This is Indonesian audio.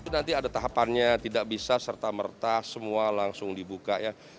nanti ada tahapannya tidak bisa serta merta semua langsung dibuka ya